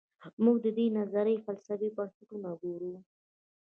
موږ د دې نظریې فلسفي بنسټونه ګورو.